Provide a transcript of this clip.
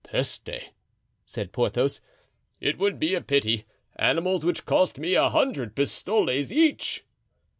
"Peste!" said Porthos, "it would be a pity; animals which cost me a hundred pistoles each."